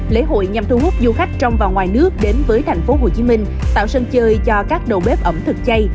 lễ hội nhằm thu hút du khách trong và ngoài nước đến với tp hcm tạo sân chơi cho các đầu bếp ẩm thực chay